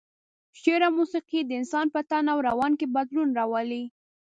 شعر او موسيقي د انسان په تن او روان کې بدلون راولي.